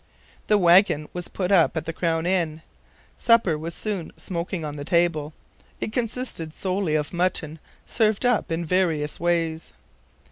The wagon was put up at the Crown Inn. Supper was soon smoking on the table. It consisted solely of mutton served up in various ways.